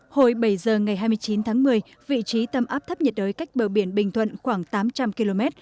hồi bảy giờ ngày hai mươi chín tháng một mươi vị trí tâm áp thấp nhiệt đới cách bờ biển bình thuận khoảng tám trăm linh km